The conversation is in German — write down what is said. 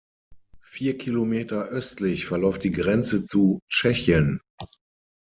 Vier Kilometer östlich verläuft die Grenze zu Tschechien.